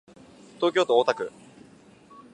東京都大田区